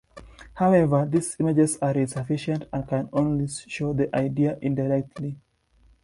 However, these images are insufficient and can only show the idea indirectly.